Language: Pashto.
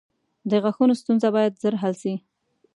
• د غاښونو ستونزه باید ژر حل شي.